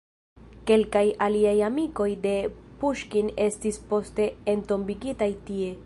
Kelkaj aliaj amikoj de Puŝkin estis poste entombigitaj tie.